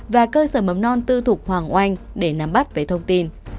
và cơ sở mầm non tư thục hoàng oanh để nắm bắt về thông tin